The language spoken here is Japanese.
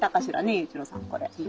雄一郎さんこれ。